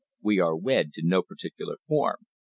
We are wed ! to no particular form."